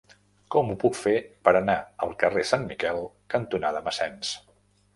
Com ho puc fer per anar al carrer Sant Miquel cantonada Massens?